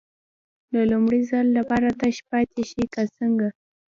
د لومړي ځل لپاره تش پاتې شي که څنګه.